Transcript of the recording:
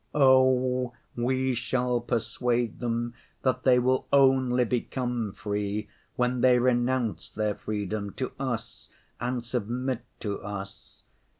Oh, we shall persuade them that they will only become free when they renounce their freedom to us and submit to us.